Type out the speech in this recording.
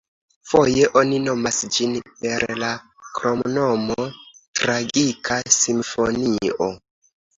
Foje oni nomas ĝin per la kromnomo „tragika simfonio“.